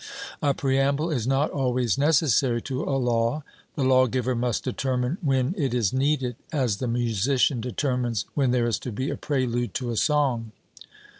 A preamble is not always necessary to a law: the lawgiver must determine when it is needed, as the musician determines when there is to be a prelude to a song.